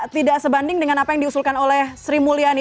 tidak sebanding dengan apa yang diusulkan oleh sri mulyani